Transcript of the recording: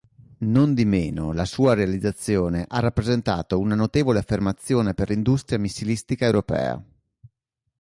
Nondimeno, la sua realizzazione ha rappresentato una notevole affermazione per l'industria missilistica europea.